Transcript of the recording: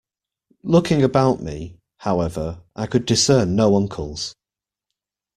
Looking about me, however, I could discern no uncles.